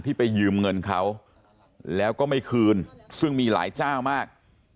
ไปยืมเงินเขาแล้วก็ไม่คืนซึ่งมีหลายเจ้ามาก